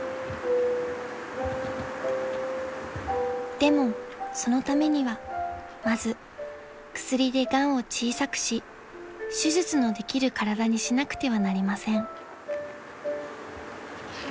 ［でもそのためにはまず薬でがんを小さくし手術のできる体にしなくてはなりません］